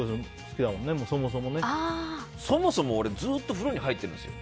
そもそも俺ずっと風呂に入ってるんですよ。